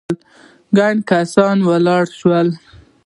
ګڼ کسان ولاړ شول.